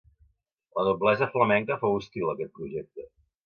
La noblesa flamenca fou hostil a aquest projecte.